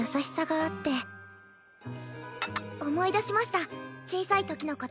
思い出しました小さいときのこと。